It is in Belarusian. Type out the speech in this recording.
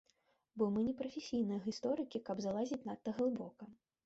Бо мы не прафесійныя гісторыкі, каб залазіць надта глыбока.